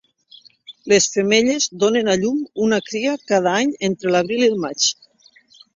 Les femelles donen a llum una cria cada any entre l'abril i el maig.